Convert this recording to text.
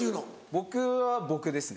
僕は「僕」ですね。